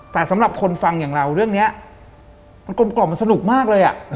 แต่สำหรับคนฟังอย่างเราเรื่องนี้มันกลมมันสนุกมากเลย